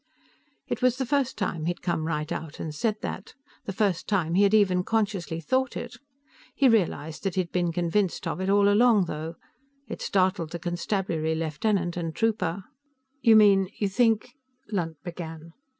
It was the first time he had come right out and said that; the first time he had even consciously thought it. He realized that he had been convinced of it all along, though. It startled the constabulary lieutenant and trooper. "You mean you think ?" Lunt began.